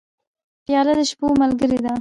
پیاله د شپو ملګرې ده.